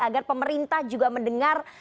agar pemerintah juga mendengar